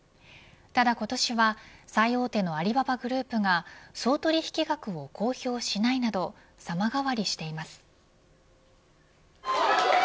ただ今年は最大手のアリババグループが総取引額を公表しないなど様変わりしています。